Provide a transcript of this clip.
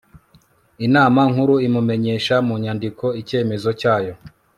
inama nkuru imumenyesha mu nyandiko icyemezo cyayo